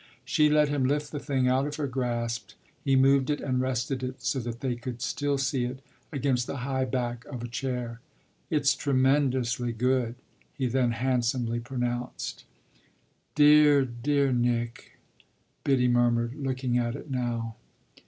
She let him lift the thing out of her grasp; he moved it and rested it, so that they could still see it, against the high back of a chair. "It's tremendously good," he then handsomely pronounced. "Dear, dear Nick," Biddy murmured, looking at it now.